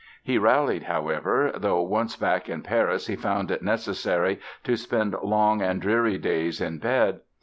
He rallied, however, though once back in Paris he found it necessary to spend long and dreary days in bed.